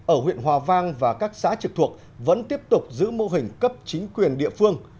ở huyện hòa vang và các xã trực thuộc vẫn tiếp tục giữ mô hình cấp chính quyền địa phương